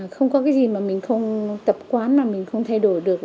không có cái gì mà mình không tập quán là mình không thay đổi được